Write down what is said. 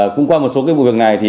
cũng qua một số vụ việc này